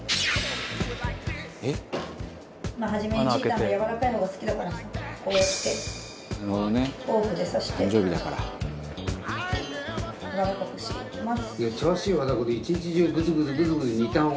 初めにちーたんがやわらかいのが好きだからさこうやってフォークで刺してやわらかくしていきます。